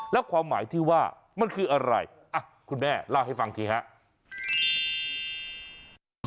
แล้วความหมายที่ว่ามันคืออะไรคุณแม่เล่าให้ฟังทีครับ